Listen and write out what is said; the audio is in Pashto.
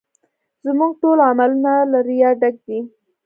زموږ ټول عملونه له ریا ډک دي